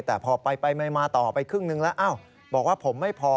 แต่พอไปมาต่อไปครึ่งนึงแล้วบอกว่าผมไม่พอ